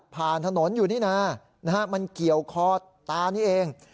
ถนนอยู่นี่นะมันเกี่ยวคอตานี่เอง